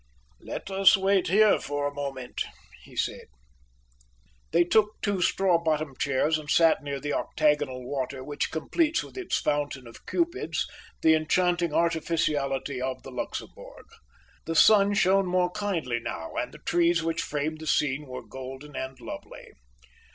"Let us wait here for a moment," he said. They took two straw bottomed chairs and sat near the octagonal water which completes with its fountain of Cupids the enchanting artificiality of the Luxembourg. The sun shone more kindly now, and the trees which framed the scene were golden and lovely.